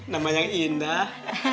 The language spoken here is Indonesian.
namanya yang indah